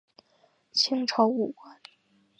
清朝武官。